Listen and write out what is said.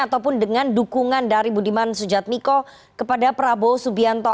ataupun dengan dukungan dari budiman sujatmiko kepada prabowo subianto